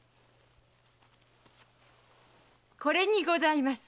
これにございます。